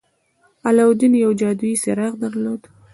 علاوالدين يو جادويي څراغ درلود.